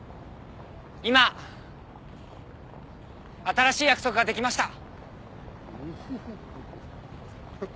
今新しい約束ができました